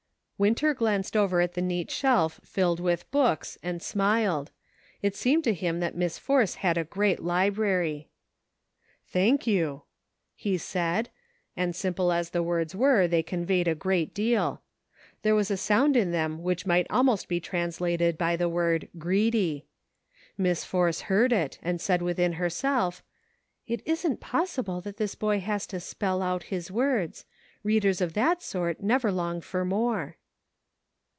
Winter glanced over at the neat shelf filled with books, and smiled ; it seemed to him that Miss Force had a great library. "Thank you," he said ; and simple as the words were, they conveyed a great deal ; there was a sound in them which might almost be translated 134 CIRCx.ES. by the word "greedy." Miss Force heard it, and said within herself :" It isn't possible that this boy has to * spell out ' his words ; readers of that sort never long for more."